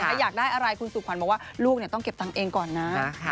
ถ้าอยากได้อะไรคุณสุขวัญบอกว่าลูกต้องเก็บตังค์เองก่อนนะ